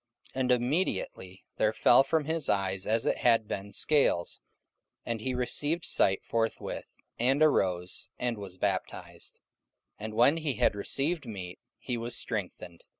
44:009:018 And immediately there fell from his eyes as it had been scales: and he received sight forthwith, and arose, and was baptized. 44:009:019 And when he had received meat, he was strengthened.